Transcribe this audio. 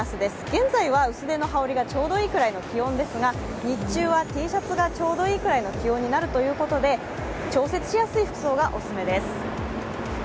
現在は薄手の羽織がちょうどいい気温ですが日中はＴシャツがちょうどいいくらいの気温になるということで調節しやすい服装がおすすめです。